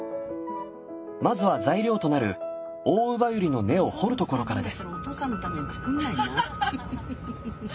まずは材料となるオオウバユリの根を掘るところからです。